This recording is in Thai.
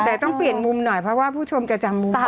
แต่ต้องเปลี่ยนมุมหน่อยเพราะว่าผู้ชมจะจำมุมได้